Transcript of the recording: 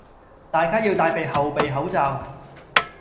大家要帶備後備口罩